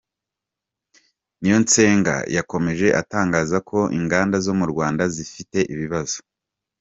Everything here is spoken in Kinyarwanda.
Niyonsenga yakomeje atangaza ko inganda zo mu Rwanda zigifite ibibazo.